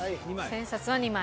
千円札は２枚。